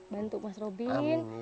bantu mas robin